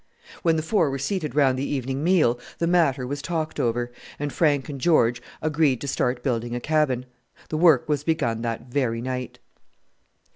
When the four were seated round the evening meal the matter was talked over, and Frank and George agreed to start building a cabin. The work was begun that very night.